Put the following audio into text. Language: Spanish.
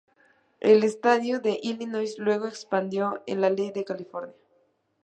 El estado de Illinois luego expandió en la ley de California.